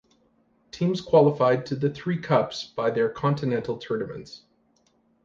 Teams qualified to the three cups by their continental tournaments.